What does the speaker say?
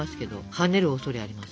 はねるおそれあります。